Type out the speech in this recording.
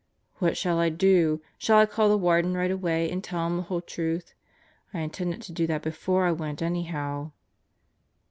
"What shall I do? Shall I call the Warden right away and tell him the whole truth? I intended to do that before I went anyhow.